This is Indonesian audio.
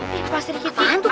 eh pak seri itik